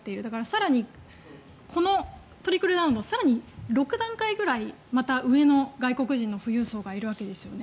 更にこのトリクルダウンの更に６段階くらいまた上の外国人の富裕層がいるわけですよね。